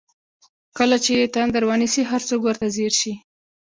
کله چې یې تندر ونیسي هر څوک ورته ځیر شي.